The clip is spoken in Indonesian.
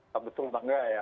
tak betul atau enggak ya